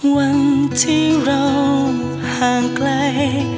วันที่เราห่างไกล